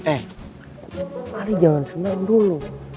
eh ali jangan senang dulu